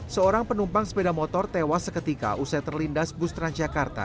seorang penumpang sepeda motor tewas seketika usai terlindas bus transjakarta